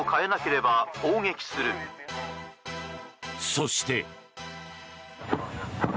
そして。